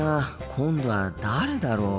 今度は誰だろう。